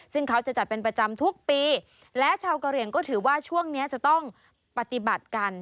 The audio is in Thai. ซึ่งเขาจะจัดเป็นประจำทุกปีและชาวกะเหลี่ยงก็ถือว่าช่วงนี้จะต้องปฏิบัติกัน